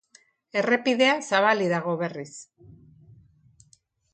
Errepidea zabalik dago berriz.